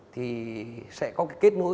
thì sẽ có cái kết nối